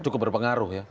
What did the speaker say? cukup berpengaruh ya